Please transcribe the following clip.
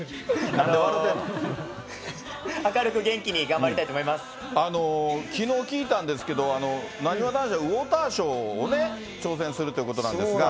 明るく元気に頑張りたいと思きのう聞いたんですけど、なにわ男子はウォーターショーを挑戦するということなんですが。